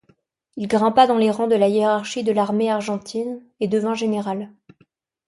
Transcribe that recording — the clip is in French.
Il grimpa dans les rangs de la hiérarchie de l'armée argentine, et devint général.